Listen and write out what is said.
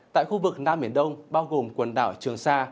tại khu vực nam biển đông bao gồm quần đảo trường sa